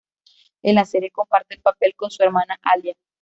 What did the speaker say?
En la serie comparte el papel con su hermana Alia.